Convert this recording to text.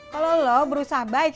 kalau lo berusaha baik